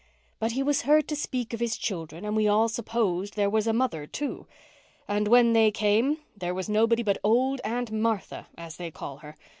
But he was heard to speak of his children and we all supposed there was a mother, too. And when they came there was nobody but old Aunt Martha, as they call her.